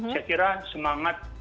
saya kira semangat